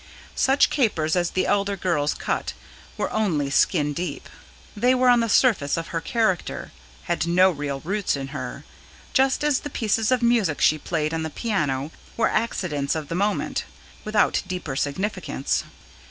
Such capers as the elder girl cut were only skin deep; they were on the surface of her character, had no real roots in her: just as the pieces of music she played on the piano were accidents of the moment, without deeper significance.